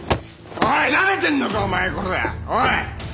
おいなめてんのかお前こら！